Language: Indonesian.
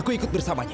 aku ikut bersamanya